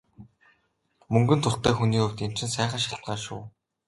Мөнгөнд дуртай хүний хувьд энэ чинь сайхан шалтгаан шүү.